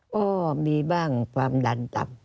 ก็มีบ้างความดันต่ำ